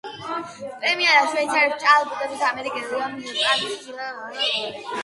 პრემია შვეიცარიელ ჟაკ დებუშს, ამერიკელ იაოჰიმ ფრანკსა და ბრიტანელ რიჩარდ ჰენდერსონს გადაეცათ.